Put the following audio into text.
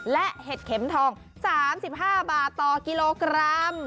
และเห็ดเข็มทอง๓๕บาทต่อกิโลกรัม